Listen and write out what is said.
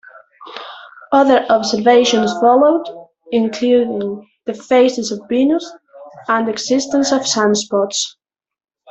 Other observations followed, including the phases of Venus and the existence of sunspots.